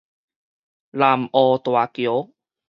南湖大橋